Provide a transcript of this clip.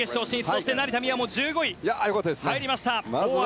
そして成田実生は１５位で入りました。